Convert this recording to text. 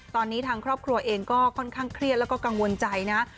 ตอนนี้ทางครอบครัวเองก็ค่อนข้างเครียดแล้วก็กังวลใจนะ